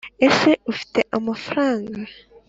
ese ufite amafaranga?